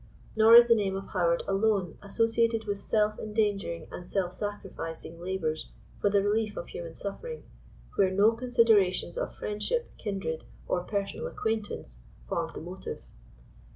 Nor is the name of Howard alone associated with self endangering and self sacrificing lahors for the relief of human suffering, where no considerations of friend ship, kindred, or personal acquaintance formed the motive.